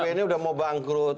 ini udah mau bangkrut